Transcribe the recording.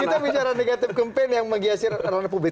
kita bicara negatif kampanye yang menghiasi ruang publik